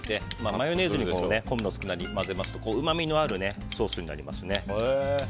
マヨネーズと昆布のつくだ煮を混ぜますとうまみのあるソースになりますね。